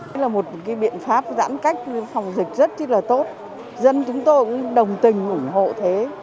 đây là một biện pháp giãn cách phòng dịch rất tốt dân chúng tôi cũng đồng tình ủng hộ thế